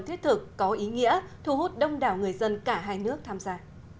thiết thực có ý nghĩa thu hút đông đảo người dân cả hai nước tham gia